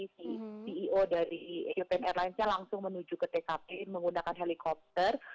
si ceo dari open airlines nya langsung menuju ke tkp menggunakan helikopter